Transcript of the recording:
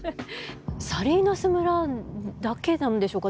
サリーナス村だけなんでしょうか？